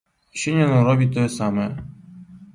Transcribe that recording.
Сёння ён робіць тое самае.